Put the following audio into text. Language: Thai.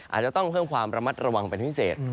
อาจจะต้องเพิ่มความระมัดระวังเป็นพิเศษ